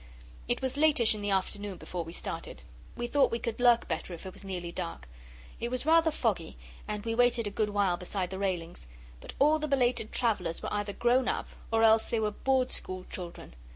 It was latish in the afternoon before we started. We thought we could lurk better if it was nearly dark. It was rather foggy, and we waited a good while beside the railings, but all the belated travellers were either grown up or else they were Board School children.